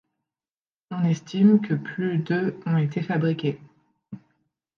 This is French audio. On estime que plus de ont été fabriqués.